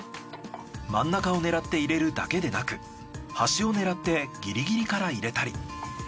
真ん中を狙って入れるだけでなく端を狙ってギリギリから入れたり。